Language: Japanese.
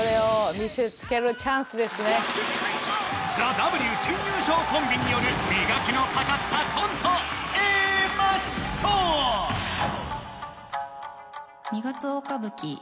それをＴＨＥＷ準優勝コンビによる磨きのかかったコント二月大歌舞伎